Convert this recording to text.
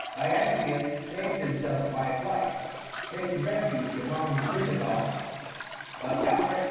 Syagrius saved himself by flight, taking refuge among the Visigoths; but Alaric II.